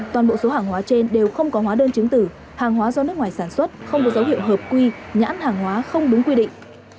toàn bộ số hàng hóa trên đều không có hóa đơn chứng tử hàng hóa do nước ngoài sản xuất không có dấu hiệu hợp quy nhãn hàng hóa không đúng quy định